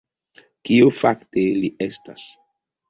Kio fakte li estas?